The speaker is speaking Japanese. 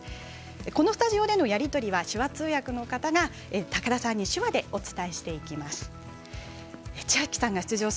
このスタジオでのやり取りは手話通訳の方が高田さんに手話でお伝えしていきます。